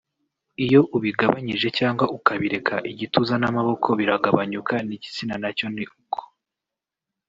iyo ubigabanyije cyangwa ukabireka igituza n’amaboko biragabanyuka n’igitsina nacyo ni uko